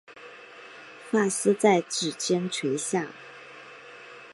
发丝在指间垂下